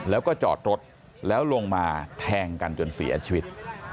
แล้วก็จอดรถแล้วลงมาแทงกันจนเสียชีวิต